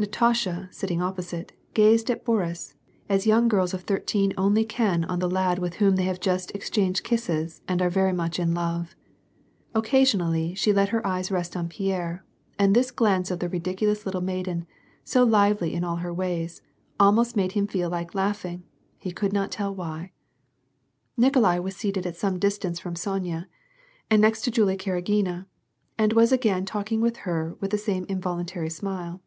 Natasha sitting opposite, gazed at Boris, as young girls of thirteen only can on the lad with whom they have just ex changed kisses, and are very much in love. Occasionally she let her eyes rest on Pierre, and this glance of the ridiculous little maiden, so lively in all her ways, almost made him feel like laughing, he could not tell why. Nikolai was seated at some distance from Sonya, and next to Julie Karagina, and was again talking with her with the same involuntary smile.